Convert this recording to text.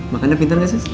makannya pinter gak sus